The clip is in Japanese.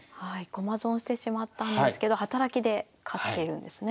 駒損してしまったんですけど働きで勝っているんですね。